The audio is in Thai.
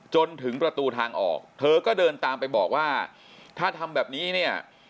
จนถึงประตูทางออกเธอก็เดินตามไปบอกว่าถ้าทำแบบนี้เนี่ย